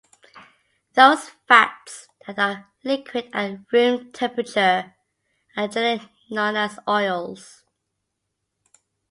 Those fats that are liquid at room temperature are generally known as oils.